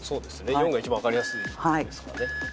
４が一番分かりやすいですかね。